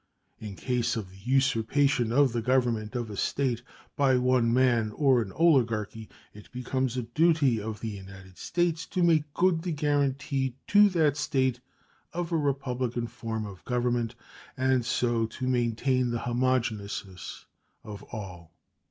In case of the usurpation of the government of a State by one man or an oligarchy, it becomes a duty of the United States to make good the guaranty to that State of a republican form of government, and so to maintain the homogeneousness of all.